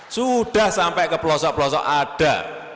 sudah sampai ke pelosok pelosok ada